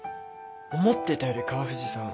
思ってたより川藤さん